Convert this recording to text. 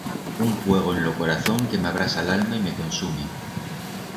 Un fuego en lo corazón que m'abrasa l'alma y me consume.